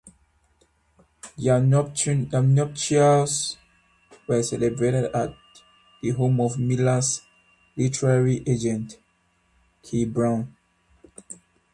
Their nuptials were celebrated at the home of Miller's literary agent, Kay Brown.